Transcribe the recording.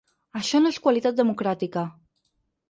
Això no és qualitat democràtica.